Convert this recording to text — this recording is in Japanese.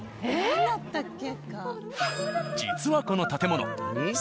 何だったっけ？